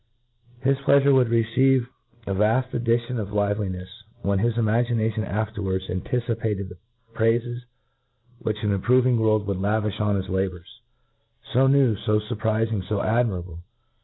His pleafure would! receive a vaft addition of Tivelinefe, when his imagination afterwards anticipated the praifes which an ap proving world would lavifli on his labotrs— fa jiew! fo furprtfing! fo admirable!